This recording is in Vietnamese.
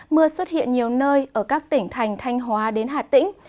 mưa xuất hiện nhiều nơi ở các tỉnh thành thanh hóa đến hà tĩnh